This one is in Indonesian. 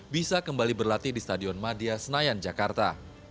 bisa kembali berlatih di stadion madia senayan jakarta